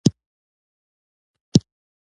• د ملګري ملګرتیا د زړه خوښي ده.